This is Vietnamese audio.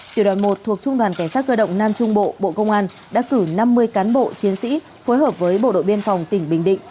tiểu đoàn một thuộc trung đoàn cảnh sát cơ động nam trung bộ bộ công an đã cử năm mươi cán bộ chiến sĩ phối hợp với bộ đội biên phòng tỉnh bình định